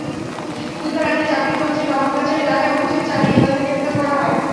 বুধবার রাতে জকিগঞ্জের বাবুরবাজার এলাকায় অভিযান চালিয়ে তাঁদের গ্রেপ্তার করা হয়।